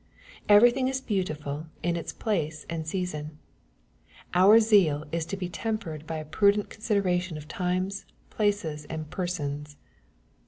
Everything is beautiful in its place and season. Our zeal is to be tem pered by a prudent consideration of times, places, and per sons.